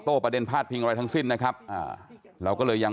ประเด็นพาดพิงอะไรทั้งสิ้นนะครับอ่าเราก็เลยยัง